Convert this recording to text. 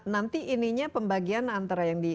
nanti ininya pembagian antara